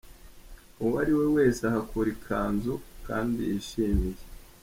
Uwo ariwe wese ahakura ikanzu kandi yishimiye.